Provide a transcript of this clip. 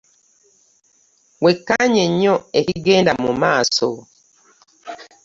Wekkaanye nnyo ekigenda mu maaso.